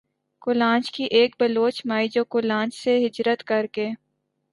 کولانچ کی ایک بلوچ مائی جو کولانچ سے ھجرت کر کے